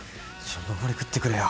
残り食ってくれよ。